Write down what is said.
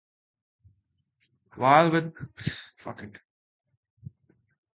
While with the Sacramento Kings, Pollard received the nickname Samurai Scot.